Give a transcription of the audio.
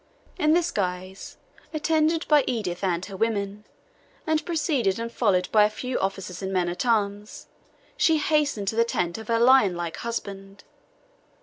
In this guise, attended by Edith and her women, and preceded and followed by a few officers and men at arms, she hastened to the tent of her lionlike husband.